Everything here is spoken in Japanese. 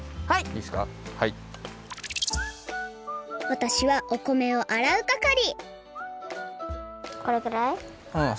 わたしはお米をあらうかかりこれくらい？